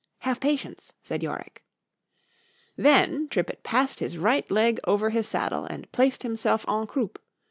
——Have patience, said Yorick.) "Then (Tripet) pass'd his right leg over his saddle, and placed himself _en croup.